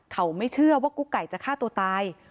เขาไม่เชื่อว่ากุ๊กไก่จะฆ่าตัวตาย